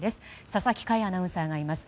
佐々木快アナウンサーがいます。